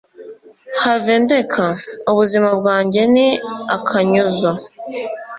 have ndeka, ubuzima bwanjye ni akanyuzo